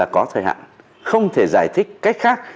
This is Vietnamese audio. có thời hạn không thể giải thích cách khác